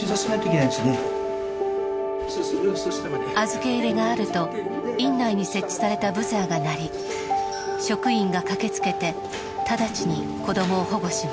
預け入れがあると院内に設置されたブザーが鳴り職員が駆けつけて直ちに子どもを保護します。